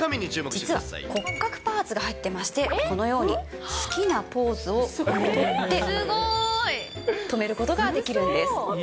実は骨格パーツが入ってまして、このように好きなポーズを取って、止めることができるんです。